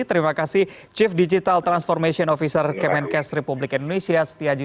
terima kasih chief digital transformation officer kemenkes republik indonesia setiaji